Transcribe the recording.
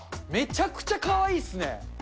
めちゃくちゃかわいいっすね。